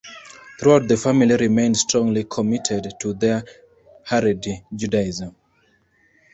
Throughout the family remained strongly committed to their Haredi Judaism.